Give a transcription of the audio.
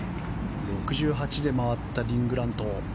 ６８で回ったリン・グラント。